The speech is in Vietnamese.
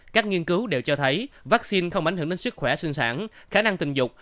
các nghiên cứu đều cho thấy vaccine không ảnh hưởng đến sức khỏe sinh sản khả năng tình dục